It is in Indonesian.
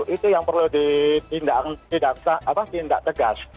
itu yang perlu ditindak tegas